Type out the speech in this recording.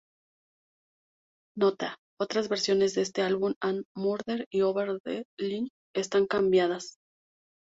Nota: Otras versiones de este álbum han "Murder" y "Over the Line" están cambiadas.